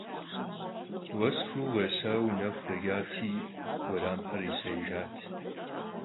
Vues kuu khêsaue nexu khêç'ati, vueramxer yisêijjat.